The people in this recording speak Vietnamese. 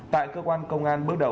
tại cơ quan công an bước đầu